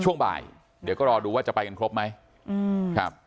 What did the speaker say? ช่วงบ่ายเดี๋ยวก็รอดูว่าจะไปกันครบไหมอืมครับ